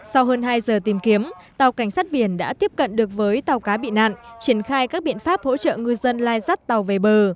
sau hơn hai giờ tìm kiếm tàu cảnh sát biển đã tiếp cận được với tàu cá bị nạn triển khai các biện pháp hỗ trợ ngư dân lai rắt tàu về bờ